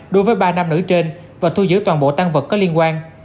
đối với ba nam nữ trên và thu giữ toàn bộ tăng vật có liên quan